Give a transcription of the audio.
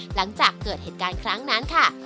หลังจากเกิดเหตุการณ์ครั้งนั้นค่ะ